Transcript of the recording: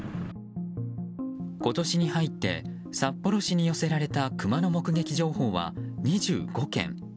今年に入って札幌市に寄せられたクマの目撃情報は２５件。